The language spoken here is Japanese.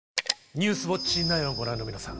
「ニュースウオッチ９」をご覧の皆さん